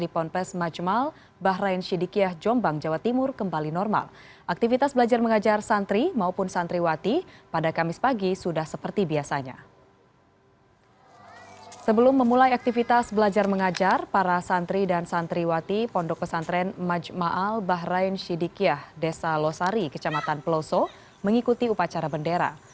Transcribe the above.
pondok pesantren majma'al bahrain sidikiah desa losari kecamatan peloso mengikuti upacara bendera